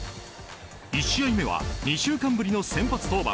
１試合目は２週間ぶりの先発登板。